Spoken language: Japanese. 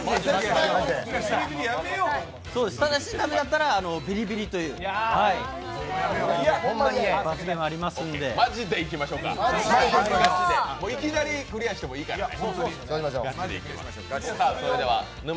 ただし、駄目だったらビリビリという罰ゲームありますマジでいきましょうかいきなりクリアしてもいいからね。